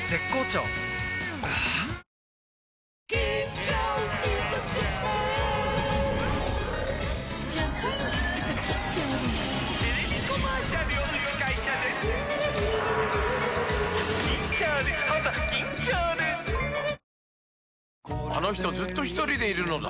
はぁあの人ずっとひとりでいるのだ